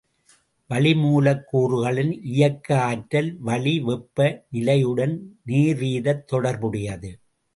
வளிமூலக் கூறுகளின் இயக்க ஆற்றல் வளி வெப்ப நிலையுடன் நேர்வீதத் தொடர்புடையது.